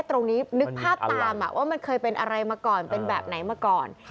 ตรงนี้นึกภาพตามว่ามันเคยเป็นอะไรมาก่อนเป็นแบบไหนมาก่อน